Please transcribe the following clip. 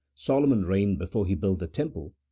Solomon reigned before he built the temple .